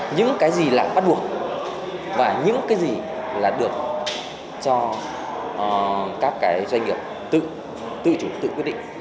những cái gì là bắt buộc và những cái gì là được cho các cái doanh nghiệp tự chủ tự quyết định